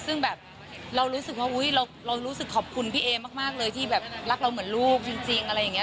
ซึ่งแบบเรารู้สึกว่าอุ๊ยเรารู้สึกขอบคุณพี่เอมากเลยที่แบบรักเราเหมือนลูกจริงอะไรอย่างนี้